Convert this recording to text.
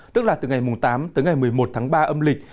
tức là từ ngày tám tới ngày một mươi một tháng ba âm lịch